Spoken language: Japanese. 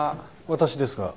私ですが。